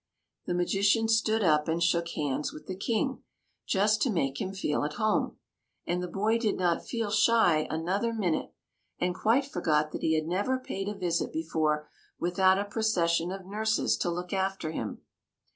The magician stood up and shook hands with the King, just to make him feel at home ; and the boy did not feel shy another minute, and quite forgot that he had never paid a visit before without a procession of nurses to look after him.